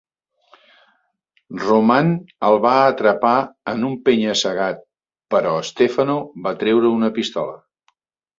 Roman el va atrapar en un penya-segat, però Stefano va treure una pistola.